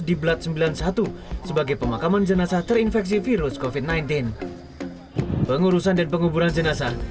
di blat sembilan puluh satu sebagai pemakaman jenazah terinfeksi virus kofit sembilan belas pengurusan dan penguburan jenazah